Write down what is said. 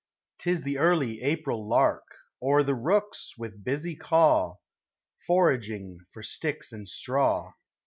'T is the early April lark, Or the rooks, with busy caw, Foraging for sticks and straw.